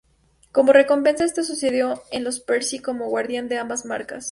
Como recompensa, este sucedió a los Percy como guardián de ambas marcas.